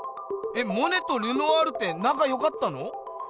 えっモネとルノワールってなかよかったの？